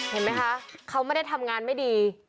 เห็นไหมคะเขาไม่ได้ทำงานไม่ดี